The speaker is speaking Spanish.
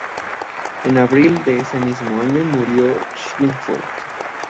En abril de ese mismo año murió en Schweinfurt.